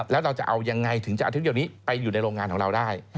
แล้วเราจะเอายังไงถึงจะเอาเทคเดียวนี้ไปอยู่ในโรงงานของเราได้